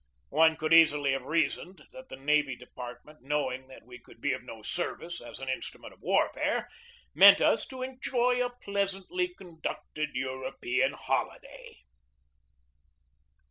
One could easily have reasoned that the Navy Department, knowing that we could be of no service as an instrument of warfare, meant us to enjoy a pleasantly conducted European holiday.